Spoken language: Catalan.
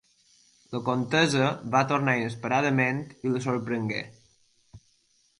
La comtessa va tornar inesperadament i la sorprengué.